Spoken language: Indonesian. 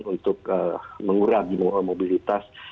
untuk mengurangi mobilitas